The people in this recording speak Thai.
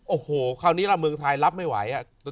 โอ้โหคราวนี้ล่ะเมืองไทยรับไม่ไหว